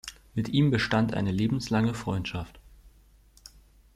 Mit ihm bestand eine lebenslange Freundschaft.